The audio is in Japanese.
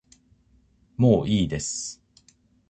もういいです